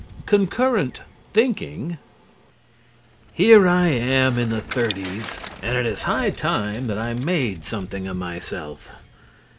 Concurrent Thinking "Here I am in the thirties and it is high time that I made something of myself.